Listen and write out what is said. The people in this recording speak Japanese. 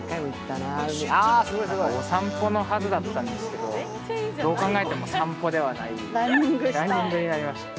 お散歩のはずだったんですけどどう考えても散歩ではないランニングになりました。